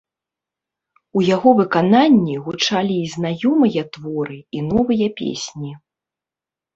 У яго выканні гучалі і знаёмыя творы, і новыя песні.